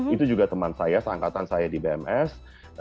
itu juga teman saya seangkatan saya di bms